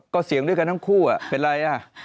ก็เสียงด้วยกันทั้งคู่เป็นไร